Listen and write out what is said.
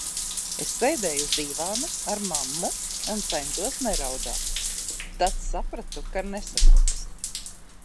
Es sēdēju uz dīvāna ar mammu un centos neraudāt, tad sapratu, ka nesanāks.